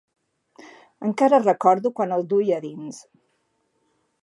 Encara recordo quan el duia a dins.